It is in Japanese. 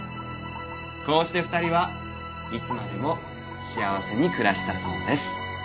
「こうして２人はいつまでも幸せに暮らしたそうです」